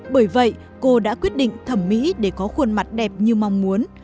bởi vậy cô đã quyết định thẩm mỹ để có khuôn mặt đẹp như mong muốn